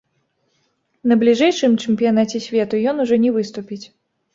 На бліжэйшым чэмпіянаце свету ён ужо не выступіць.